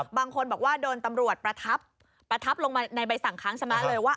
บางคนบอกว่าโดนตำรวจประทับประทับลงมาในใบสั่งค้างใช่ไหมเลยว่า